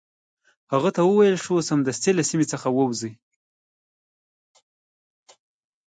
هغه ته وویل شو سمدستي له سیمي څخه ووزي.